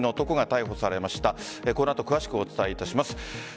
この後、詳しくお伝えいたします。